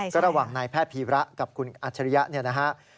ก็ระหว่างนายแพทย์พีระกับคุณอัชยะ